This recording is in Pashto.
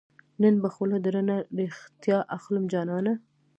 نن به خوله درنه ريښتیا اخلم جانانه